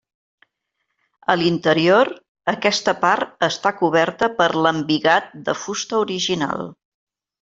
A l'interior, aquesta part està coberta per l'embigat de fusta original.